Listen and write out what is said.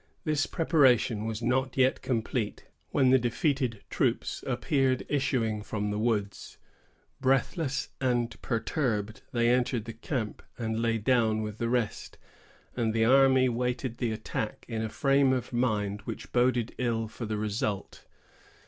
This preparation was not yet complete, when the defeated troops appeared issuing from the woods. Breathless and perturbed, they entered the camp, and lay down with the rest; and the army waited the attack in a frame of mind which boded ill for the result.